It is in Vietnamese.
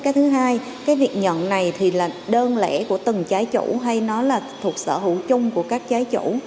cái thứ hai cái việc nhận này thì là đơn lẻ của từng trái chủ hay nó là thuộc sở hữu chung của các trái chủ